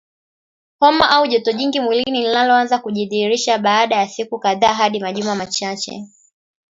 Homa au joto jingi mwilini linaloanza kujidhihirisha baada ya siku kadhaa hadi majuma machache